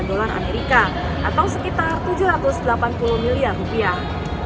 dolar amerika atau sekitar tujuh ratus delapan puluh miliar rupiah